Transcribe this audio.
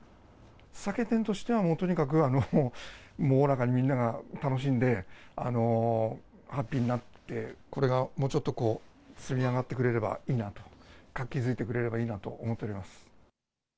酒店としてはもうとにかく、おおらかにみんなが楽しんで、ハッピーになって、これがもうちょっとこう、積み上がってくれればいいなと、活気づいてくれればいいなと思っております。